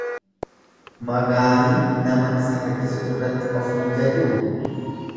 Magaariin nama isa harkisu irratti of in jajuu?